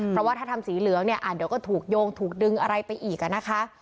เพราะว่าถ้าทำสีเหลืองเนี่ยเดี๋ยวก็ถูกโยงถูกดึงอะไรไปอีกอ่ะนะคะ